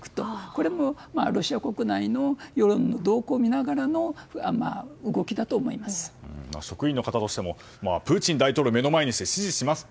これもロシア国内の世論の動向を見ながらの職員の方としてもプーチン大統領を目の前にして支持します